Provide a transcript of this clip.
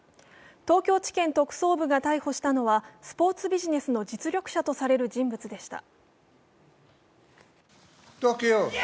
東京地検特捜部が逮捕したのは、スポーツビジネスの実力者とされる人物でした。